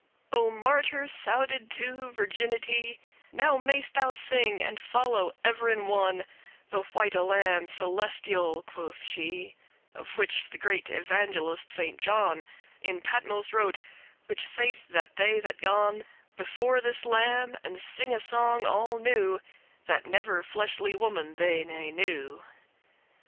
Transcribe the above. O martyr souded* to virginity, *confirmed <9> Now may'st thou sing, and follow ever in one* *continually The white Lamb celestial (quoth she), Of which the great Evangelist Saint John In Patmos wrote, which saith that they that gon Before this Lamb, and sing a song all new, That never fleshly woman they ne knew.